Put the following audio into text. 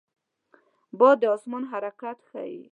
باد د آسمان حرکت ښيي